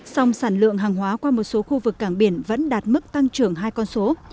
song sản lượng hàng hóa qua một số khu vực cảng biển vẫn đạt mức tăng trưởng hai con số